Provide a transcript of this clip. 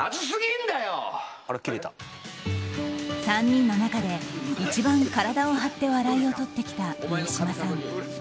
３人の中で一番体を張って笑いをとってきた上島さん。